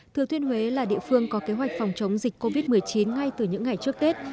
thừa thiên huế là địa phương có kế hoạch phòng chống dịch covid một mươi chín ngay từ những ngày trước tết